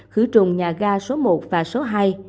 khứ trùng nhà ga số một và số hai